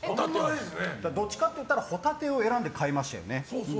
どちらかといったらホタテを選んで買いましたよね。